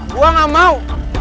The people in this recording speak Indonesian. gue gak mau